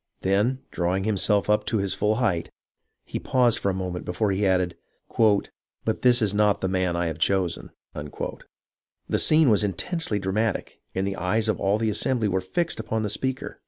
Then, drawing himself up to his full height, he paused for a moment before he added :" But this is not the man I have chosen !" The scene was intensely dramatic, and the eyes of all the assembly were fixed upon the speaker.